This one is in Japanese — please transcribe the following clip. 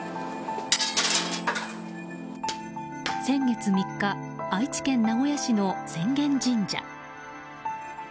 先月３日愛知県名古屋市の浅間神社。